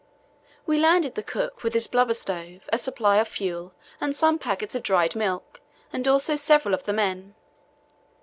We landed the cook with his blubber stove, a supply of fuel and some packets of dried milk, and also several of the men.